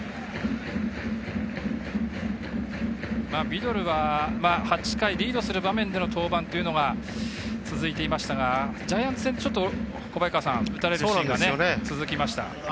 ビドルは８回リードする場面での登板というのが続いていましたがジャイアンツ戦ちょっと、打たれるシーンが続きました。